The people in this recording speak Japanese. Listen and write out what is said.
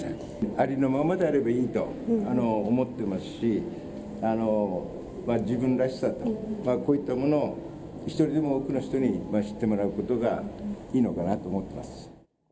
ありのままであればいいと思ってますし、自分らしさ、こういったものを１人でも多くの人に知ってもらうことがいいのかなと思ってます。